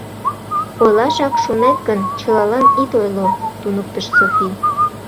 — Ойлашак шонет гын, чылалан ит ойло, — туныктыш Софи.